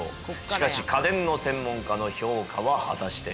しかし家電の専門家の評価は果たして。